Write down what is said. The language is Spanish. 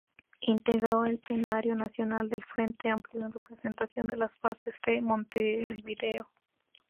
Integró el Plenario Nacional del Frente Amplio en representación de las bases de Montevideo.